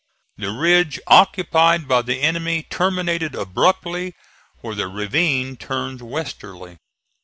The ridge occupied by the enemy terminated abruptly where the ravine turns westerly.